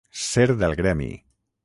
Ser del gremi.